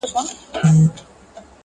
o ولاړ انسان به وي ولاړ تر اخریته پوري.